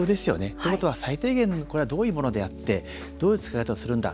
ということは最低限これは、どういうものはあってどういう使い方をするんだ